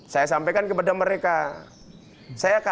saya sampaikan kepada mereka